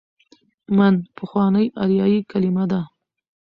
من: پخوانۍ آریايي کليمه ده.